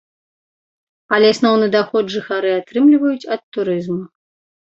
Але асноўны даход жыхары атрымліваюць ад турызму.